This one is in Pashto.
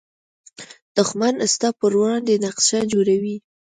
دښمن ستا پر وړاندې نقشه جوړوي